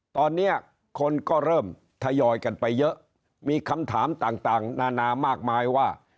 ตอนนี้คนก็เริ่มทยอยกันไปเยอะมีคำถามต่างนานามากมายว่า